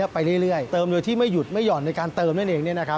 ไปเรื่อยเติมโดยที่ไม่หยุดไม่ห่อนในการเติมนั่นเอง